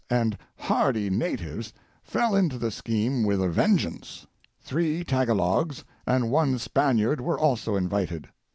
and hardy natives fell into the scheme with a vengeance. Three Taga logs and one Spaniard were also invited.